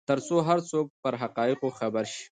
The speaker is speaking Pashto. ترڅو هر څوک پر حقایقو خبر شي.